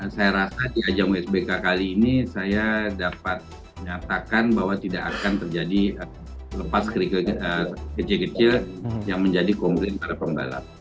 saya rasa di ajang wsbk kali ini saya dapat nyatakan bahwa tidak akan terjadi lepas kecil kecil yang menjadi komplain para pembalap